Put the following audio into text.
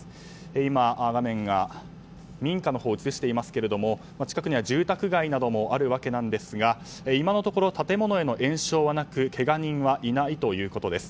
今、画面は民家を映していますが近くには住宅街などもあるわけなんですが今のところ建物への延焼はなくけが人はいないということです。